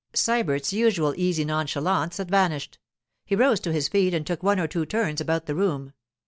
Sybert's usual easy nonchalance had vanished. He rose to his feet and took one or two turns about the room.